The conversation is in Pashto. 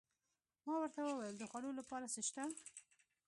ما ورته وویل: د خوړو لپاره څه شته؟